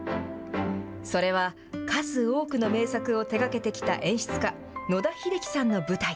それは数多くの名作を手がけてきた演出家、野田秀樹さんの舞台。